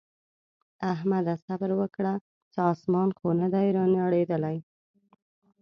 احمده! صبره وکړه څه اسمان خو نه دی رانړېدلی.